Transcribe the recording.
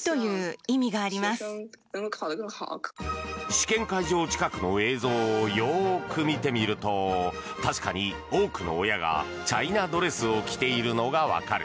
試験会場近くの映像をよく見てみると、確かに多くの親がチャイナドレスを着ているのが分かる。